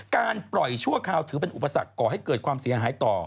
การปล่อยชั่วคราวถือเป็นอุปสรรคก่อให้เกิดความเสียหายต่อ